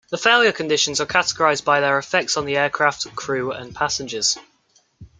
The failure conditions are categorized by their effects on the aircraft, crew, and passengers.